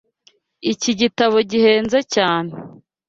Iki gitabo gihenze cyane.